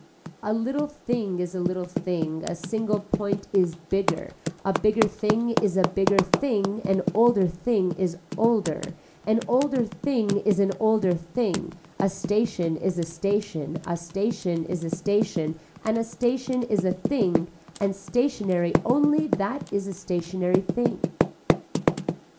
A little thing is a little thing, a single point is bigger, a bigger thing is a bigger thing, an older thing is older, an older thing is an older thing, a station is a station, a station is a station and a station is a thing and stationary only that is a stationary thing.